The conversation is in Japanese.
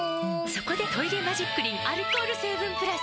そこで「トイレマジックリン」アルコール成分プラス！